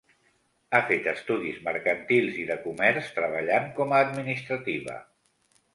Ha fet estudis mercantils i de comerç, treballant com a administrativa.